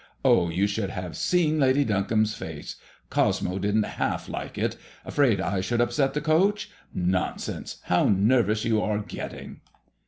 Oh, you should have seen Lady Duncombe's face. Cosmo didn't half like it. Afraid I should upset the coach ? Non sense I How nervous you are getting!"